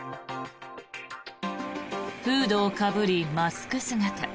フードをかぶり、マスク姿。